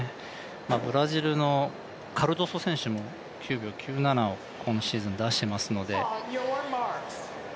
ブラジルのカルドソ選手も９秒９７を今シーズン出していますので。